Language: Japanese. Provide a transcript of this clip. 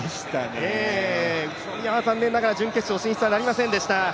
宇都宮は残念ながら準決勝進出はなりませんでした。